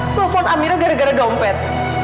telepon amira gara gara dompet